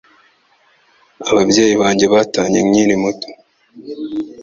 Ababyeyi banjye batanye nkiri muto